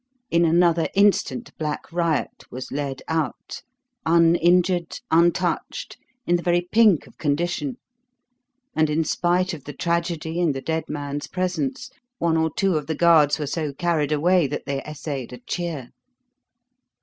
In another instant Black Riot was led out uninjured, untouched, in the very pink of condition and, in spite of the tragedy and the dead man's presence, one or two of the guards were so carried away that they essayed a cheer.